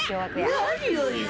「何を言う？